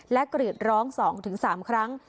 และกรีดร้องสองถึงสามครั้ง